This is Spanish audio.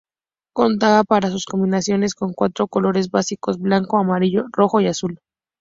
Contaba para sus combinaciones con cuatro colores básicos: blanco, amarillo, rojo y azul.